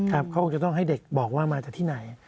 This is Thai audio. เขาคงจะต้องให้เด็กบอกว่ามาจากที่ไหน